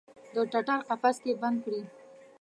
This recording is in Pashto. د ټټر قفس کې بند کړي